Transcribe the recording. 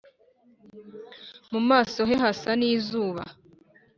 mu maso he hasa n’izuba,